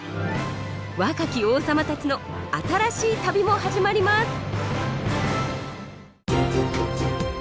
若き王様たちの新しい旅も始まります。